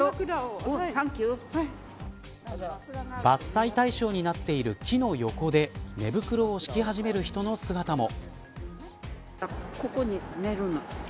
伐採対象になっている木の横で寝袋をしき始める人の姿も。